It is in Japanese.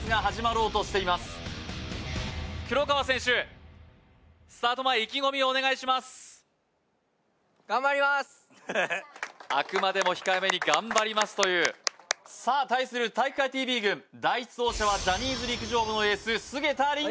間もなくスタート前あくまでも控えめに「頑張ります」というさあ対する体育会ＴＶ軍第１走者はジャニーズ陸上部のエース菅田琳寧